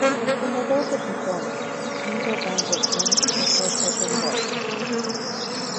El fundador de Python, Guido van Rossum, dejó Zope Corp.